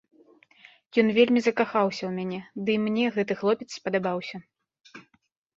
Ён вельмі закахаўся ў мяне, дый мне гэты хлопец спадабаўся.